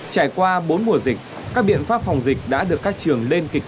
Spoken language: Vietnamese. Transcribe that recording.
trải qua bốn mùa dịch các biện pháp phòng dịch đã được các trường lên kịch